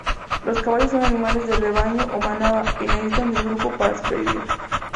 Los caballos son animales de rebaño o manada y necesitan del grupo para sobrevivir.